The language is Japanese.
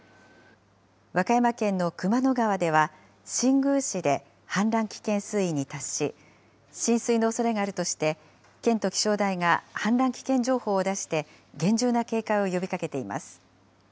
和歌山県の熊野川では、新宮市で氾濫危険水位に達し、浸水のおそれがあるとして、県と気象台が氾濫危険情報を出して、厳重な警戒を呼びかけています。